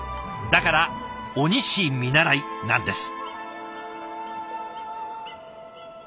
だから「鬼師見習い」なんです。